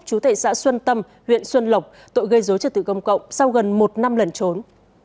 chú tệ xã xuân tâm huyện xuân lộc tội gây dối trật tự công cộng sau gần một năm lần trốn